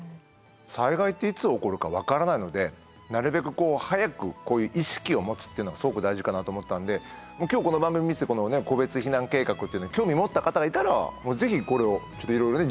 災害っていつ起こるか分からないのでなるべく早くこういう意識を持つっていうのがすごく大事かなと思ったんで今日この番組見てて個別避難計画っていうのに興味持った方がいたらぜひこれをちょっといろいろね